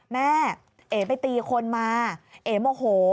เอ๋ไปตีคนมาเอ๋โมโห